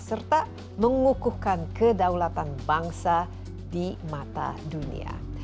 serta mengukuhkan kedaulatan bangsa di mata dunia